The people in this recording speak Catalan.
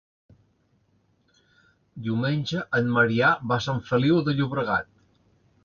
Diumenge en Maria va a Sant Feliu de Llobregat.